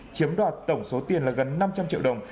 chiếm đoạt tổng số tiền là gần năm trăm linh triệu đồng